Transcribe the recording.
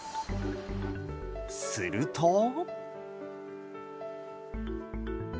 すると。